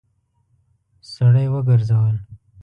سړی وګرځول.